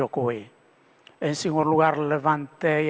ini sebuah perjalanan yang sangat menarik bagi pembawa sana